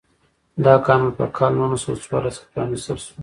دا کانال په کال نولس سوه څوارلسم کې پرانیستل شو.